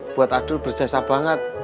buat adul berjasa banget